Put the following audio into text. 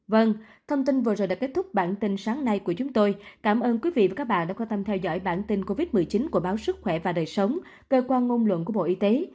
vâng thông tin vừa rồi đã kết thúc bản tin sáng nay của chúng tôi cảm ơn quý vị và các bạn đã quan tâm theo dõi bản tin covid một mươi chín của báo sức khỏe và đời sống cơ quan ngôn luận của bộ y tế